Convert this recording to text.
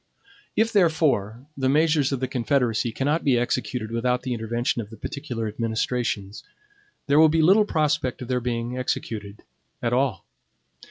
If, therefore, the measures of the Confederacy cannot be executed without the intervention of the particular administrations, there will be little prospect of their being executed at all.